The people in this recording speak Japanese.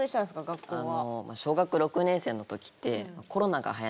学校は。